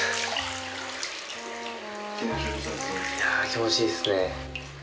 気持ちいいですね。